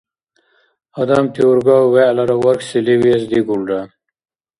Адамти ургав бегӏлара вархьсили виэс дигулра.